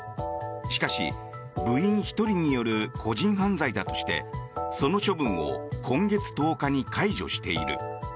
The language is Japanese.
しかし部員１人による個人犯罪だとしてその処分を今月１０日に解除している。